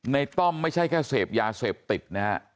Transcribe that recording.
ต้อมไม่ใช่แค่เสพยาเสพติดนะฮะ